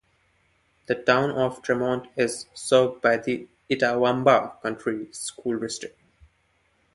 The Town of Tremont is served by the Itawamba County School District.